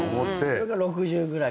それが６０ぐらい。